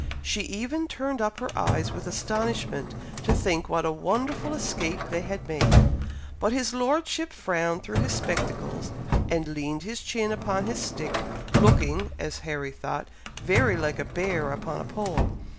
She even turned up her eyes with astonishment to think what a wonderful escape they had made; but his Lordship frowned through his spectacles, and leaned his chin upon his stick, looking, as Harry thought, very like a bear upon a pole.